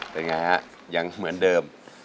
เป็นไงฮะยังเหมือนเดิม